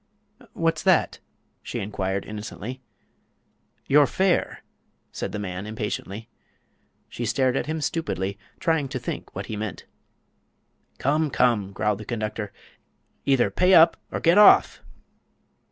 "What's that?" she inquired, innocently. "Your fare!" said the man, impatiently. She stared at him stupidly, trying to think what he meant. "Come, come!" growled the conductor, "either pay up or get off!"